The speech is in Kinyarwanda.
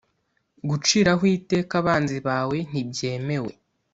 guciraho iteka abanzi bawe ntibyemewe